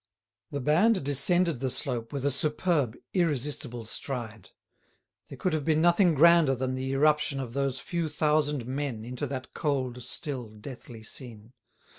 The band descended the slope with a superb, irresistible stride. There could have been nothing grander than the irruption of those few thousand men into that cold, still, deathly scene.